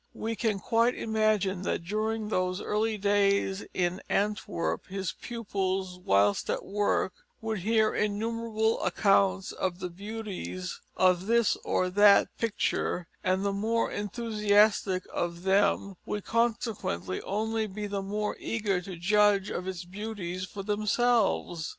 We can quite imagine that during those early days in Antwerp his pupils whilst at work would hear innumerable accounts of the beauties of this or that picture, and the more enthusiastic of them would consequently only be the more eager to judge of its beauties for themselves.